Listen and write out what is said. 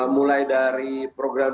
mulai dari program